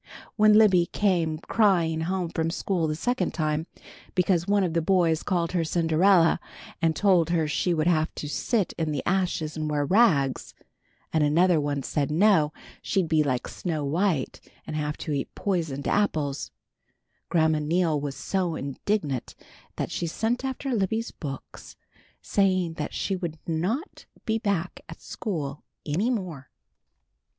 When Libby came crying home from school the second time, because one of the boys called her Cinderella, and told her she would have to sit in the ashes and wear rags, and another one said no, she'd be like Snow white, and have to eat poisoned apple, Grandma Neal was so indignant that she sent after Libby's books, saying that she would not be back at school any more.